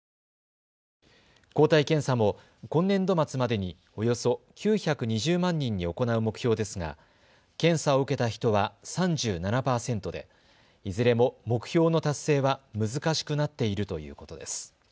抗体検査も今年度末までにおよそ９２０万人に行う目標ですが、検査を受けた人は３７％でいずれも目標の達成は難しくなっているということです。